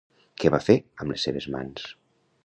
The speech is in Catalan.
Què va fer amb les seves mans?